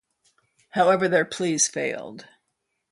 However their pleas failed.